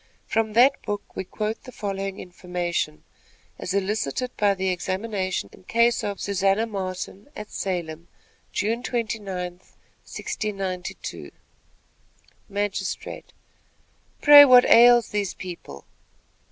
From that book we quote the following information, as elicited by the examination in case of Susanna Martin, at Salem, June 29th, 1692: Magistrate. "Pray, what ails these people?"